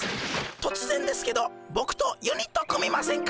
とつぜんですけどボクとユニット組みませんか？